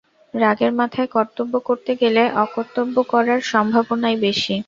রাগের মাথায় কর্তব্য করতে গেলে অকর্তব্য করার সম্ভাবনাই বেশি।